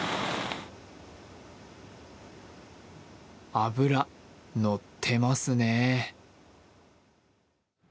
脂、乗ってますね。